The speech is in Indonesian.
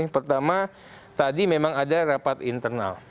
pertama tadi memang ada rapat internal